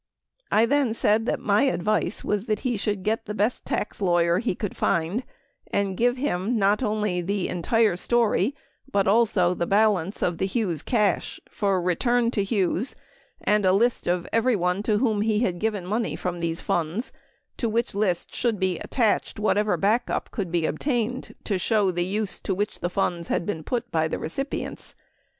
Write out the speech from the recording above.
I then said that my advice was that he should get the best tax lawyer he could find, and give him not only the entire story but also the balance of the Hughes cash for return to Hughes and a list of everyone to whom he had given money from these funds to which list should be attached, whatever backup could be obtained to show the use to which the funds had been put by the recipients.